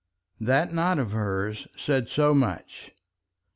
That nod of hers said so much.